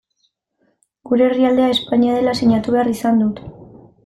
Gure herrialdea Espainia dela sinatu behar izan dut.